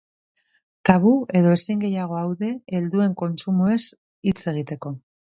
Tabu edo ezin gehiago aude helduen kontsumoez hitz egiteko.